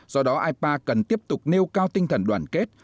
do đó ipa cần tiếp tục nêu cao tinh thần đoàn kết